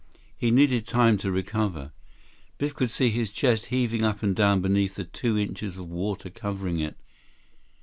He needed time to recover. Biff could see his chest heaving up and down beneath the two inches of water covering it.